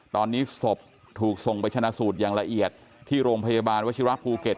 ตอนนี้ศพถูกส่งไปชนะสูตรอย่างละเอียดที่โรงพยาบาลวชิระภูเก็ต